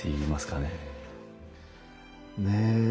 ねえ。